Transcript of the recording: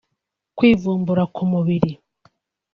kwivumbura k’umubiri